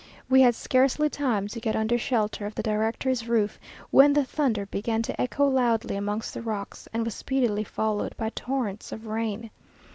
We had scarcely time to get under shelter of the director's roof, when the thunder began to echo loudly amongst the rocks, and was speedily followed by torrents of rain.